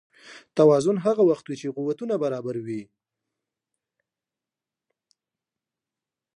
توازن هغه وخت وي چې قوتونه برابر وي.